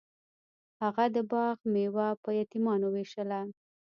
هغه د باغ میوه په یتیمانو ویشله.